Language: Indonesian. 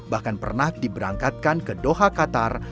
bahkan pernah diberangkatkan ke doha qatar